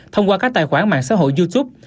thông qua các tài khoản mạng xã hội youtube